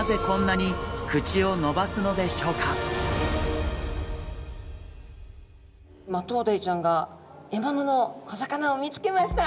一体マトウダイちゃんが獲物の小魚を見つけました。